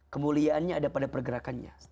kemuliaannya ada pada pekerjaannya